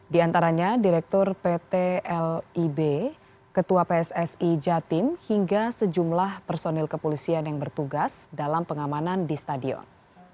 di antaranya direktur pt lib ketua pssi jatim hingga sejumlah personil kepolisian yang bertugas dalam pengamanan di stadion